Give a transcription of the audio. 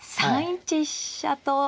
３一飛車と。